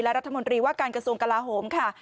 รัฐมนตรีว่าการกระทรวงกลาโหมค่ะ